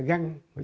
cho nên là